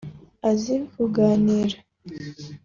azi kuganira